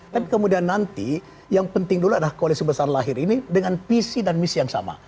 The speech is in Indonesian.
tapi kemudian nanti yang penting dulu adalah koalisi besar lahir ini dengan visi dan misi yang sama